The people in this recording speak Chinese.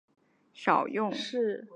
由于静脉给药可致严重现已少用。